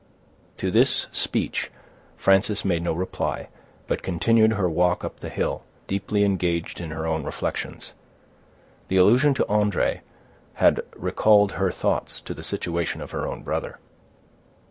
To this speech Frances made no reply, but continued her walk up the hill, deeply engaged in her own reflections. The allusion to André had recalled her thoughts to the situation of her own brother.